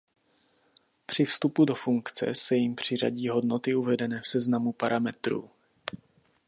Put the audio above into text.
Při vstupu do funkce se jim přiřadí hodnoty uvedené v seznamu parametrů.